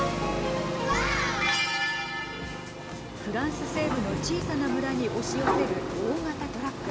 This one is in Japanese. フランス西部の小さな村に押し寄せる大型トラック。